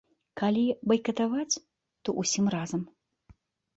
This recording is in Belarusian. Калі байкатаваць, то ўсім разам.